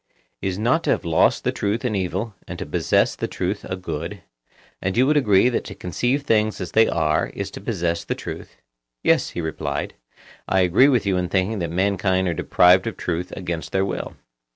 Is not to have lost the truth an evil, and to possess the truth a good? and you would agree that to conceive things as they are is to possess the truth? Yes, he replied; I agree with you in thinking that mankind are deprived of truth against their will.